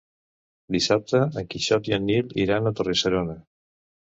Dissabte en Quixot i en Nil iran a Torre-serona.